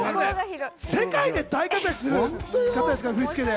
世界で大活躍する方ですから振り付けで。